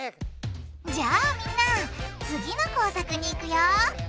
じゃあみんな次の工作にいくよ。